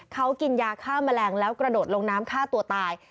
เขากินยาฆ่าแมลงแล้วกระโดดลงน้ำฆ่าตัวตาย